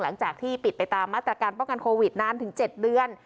หลังจากที่ปิดไปตามมาตรการป้องกันโควิดนานถึง๗เดือน